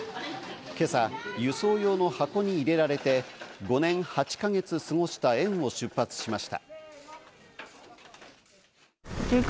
今朝、輸送用の箱に入れられて５年８か月過ごした園を出発しました。